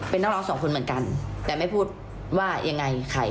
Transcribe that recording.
เป็นนักร้องสองคนเหมือนกันแต่ไม่พูดว่ายังไงใคร